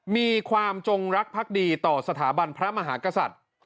มีความจงรักภักดีต่อสถาบันพระมหากษัตริย์